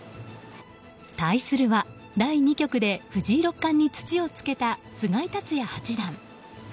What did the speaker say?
対するは、第２局で藤井六冠に土をつけた菅井竜也八段。